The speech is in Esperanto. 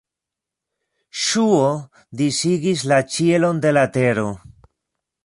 Ŝuo disigis la ĉielon de la tero.